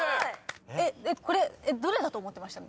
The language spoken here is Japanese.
これどれだと思ってました？